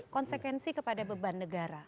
konsekuensi kepada beban negara